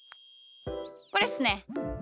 これっすね。